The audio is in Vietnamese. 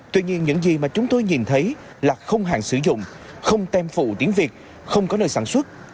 tuy nhiên những gì mà chúng tôi nhìn thấy là không hạn sử dụng không tem phụ tiếng việt không có nơi sản xuất